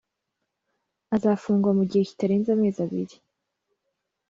azafungwa mu gihe kitarenze amezi abiri.